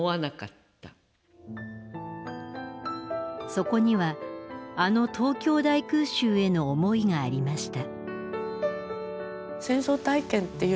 そこにはあの東京大空襲への思いがありました。